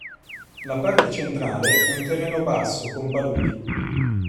La parte centrale è un terreno basso con paludi.